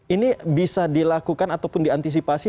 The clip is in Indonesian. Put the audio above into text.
ini bisa dilakukan ataupun diantisipasi